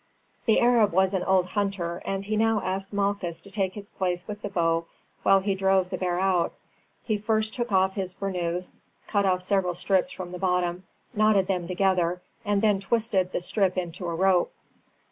The Arab was an old hunter, and he now asked Malchus to take his place with the bow while he drove the bear out. He first took off his bernous, cut off several strips from the bottom, knotted them together, and then twisted the strip into a rope.